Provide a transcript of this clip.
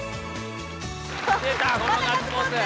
このガッツポーズ！